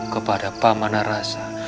kepada pamanah rasa